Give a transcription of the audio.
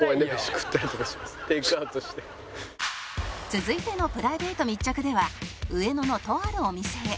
続いてのプライベート密着では上野のとあるお店へ